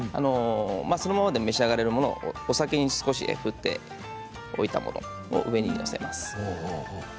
そのままでも召し上がれるものをお酒を少し振ったものを上に載せます。